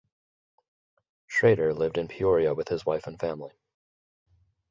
Schraeder lived in Peoria with his wife and family.